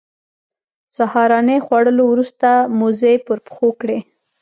سهارنۍ خوړلو وروسته موزې پر پښو کړې.